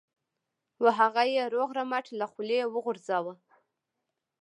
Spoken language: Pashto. و هغه یې روغ رمټ له خولې وغورځاوه.